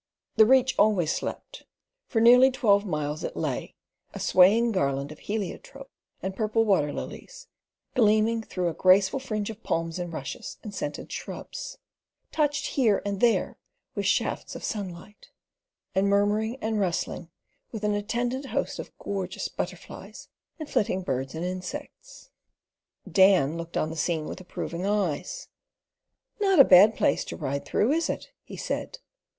The Reach always slept; for nearly twelve miles it lay, a swaying garland of heliotrope and purple waterlilies, gleaming through a graceful fringe of palms and rushes and scented shrubs, touched here and there with shafts of sunlight, and murmuring and rustling with an attendant host of gorgeous butterflies and flitting birds and insects. Dan looked on the scene with approving eyes. "Not a bad place to ride through, is it?" he said.